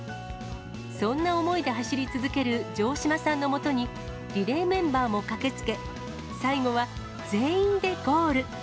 そんな想いで走り続ける城島さんの元に、リレーメンバーも駆けつけ、最後は全員でゴール。